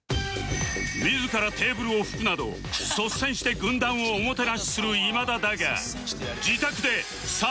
自らテーブルを拭くなど率先して軍団をおもてなしする今田だが